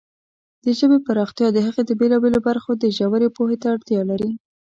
د ژبې پراختیا د هغې د بېلابېلو برخو د ژورې پوهې ته اړتیا لري.